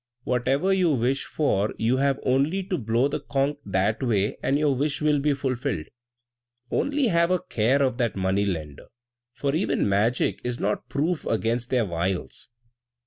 whatever you wish for, you have only to blow the conch that way, and your wish will be fulfilled. Only have a care of that money lender, for even magic is not proof against their wiles!"